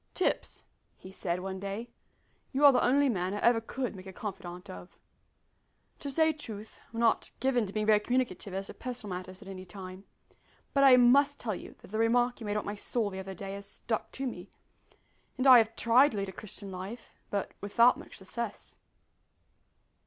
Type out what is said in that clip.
"Tipps," he said, one day, "you are the only man I ever could make a confidant of. To say truth I'm not given to being very communicative as to personal matters at any time, but I must tell you that the remark you made about my soul the other day has stuck to me, and I have tried to lead a Christian life, but without much success."